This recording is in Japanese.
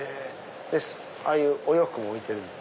ああいうお洋服も置いてるんだ。